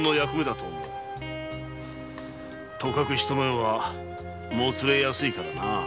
とかく人の世はもつれやすいからなあ。